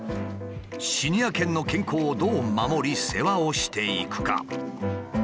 シニア犬の健康をどう守り世話をしていくか。